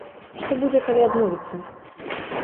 Што будзе, калі адмовіцца?